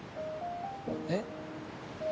えっ？